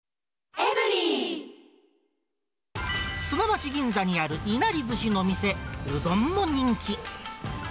砂町銀座にあるいなりずしの店、うどんも人気。